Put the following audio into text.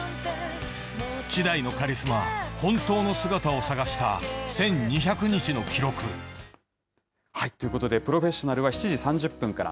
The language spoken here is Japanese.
希代のカリスマ、本当の姿を探した１２００日の記録。ということで、プロフェッショナルは７時３０分から。